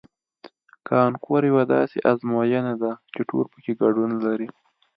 کانکور یوه داسې ازموینه ده چې ټول پکې ګډون لري